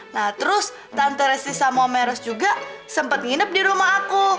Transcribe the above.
nah terus tante resti sama om eras juga sempet nginep di rumah aku